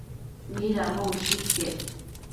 Midambo ushë iquec